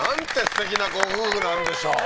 すてきなご夫婦なんでしょう！